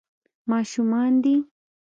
ماشومان دي.